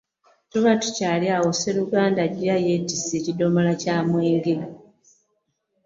Tuba tukyali awo sseruganda ng'ajja yeetisse kidomola kya mwenge.